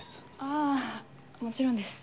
あもちろんです。